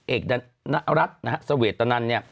เอกรัฐนะครับสเวตตอนนั้นเนี่ย